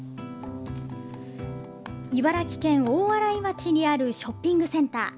茨城県大洗町にあるショッピングセンター。